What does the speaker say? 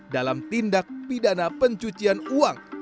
dalam tindak pidana pencucian uang